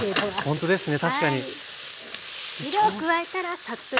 ほんとですね。